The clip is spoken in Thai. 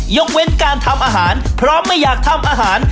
ยกเว้นการทำอาหารเพราะไม่อยากทำอาหาร